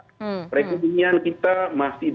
rekrutinian kita masih dalam keadaan yang sangat tinggi